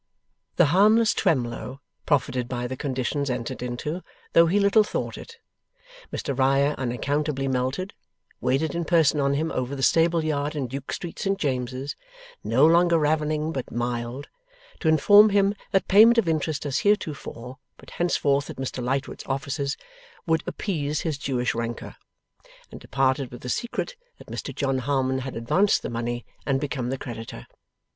The harmless Twemlow profited by the conditions entered into, though he little thought it. Mr Riah unaccountably melted; waited in person on him over the stable yard in Duke Street, St James's, no longer ravening but mild, to inform him that payment of interest as heretofore, but henceforth at Mr Lightwood's offices, would appease his Jewish rancour; and departed with the secret that Mr John Harmon had advanced the money and become the creditor.